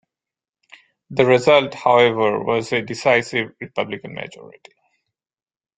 The result, however, was a decisive Republican majority.